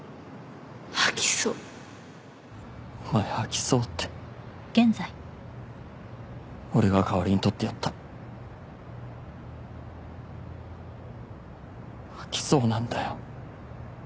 吐きそうお前「吐きそう」って俺が代わりに撮ってやった吐きそうなんだよ